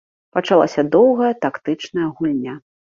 Пачалася доўгая тактычная гульня.